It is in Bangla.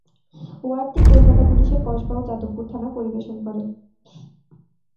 ওয়ার্ডটি কলকাতা পুলিশের কসবা ও যাদবপুর থানা পরিবেশন করে।